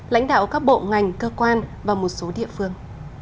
lãnh đạo các bộ ngành cơ quan và một số địa phương